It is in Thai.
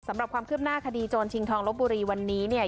สำหรับความคืบหน้าคดีโจรชิงทองลบบุรีวันนี้เนี่ย